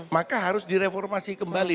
maka harus direformasi kembali